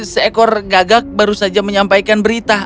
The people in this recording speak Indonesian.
seekor gagak baru saja menyampaikan berita